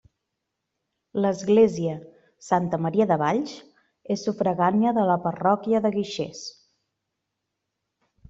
L'església, Santa Maria de Valls, és sufragània de la parròquia de Guixers.